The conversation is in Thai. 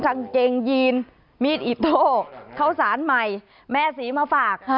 กางเกงยีนมีดอิโต้เข้าสารใหม่แม่ศรีมาฝาก